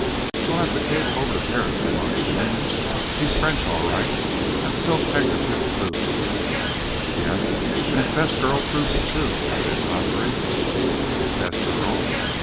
"We'll have to cable over to Paris," remarked Simmonds. "He's French, all right that silk handkerchief proves it." "Yes and his best girl proves it, too," put in Godfrey. "His best girl?"